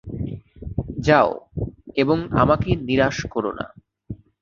যাও, এবং আমাকে নিরাশ করোনা।